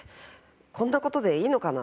こんな事でいいのかな？